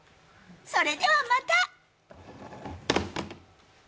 それではまた。